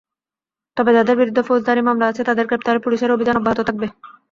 তবে যাঁদের বিরুদ্ধে ফৌজদারি মামলা আছে, তাঁদের গ্রেপ্তারে পুলিশের অভিযান অব্যাহত থাকবে।